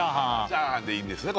チャーハンでいいんですね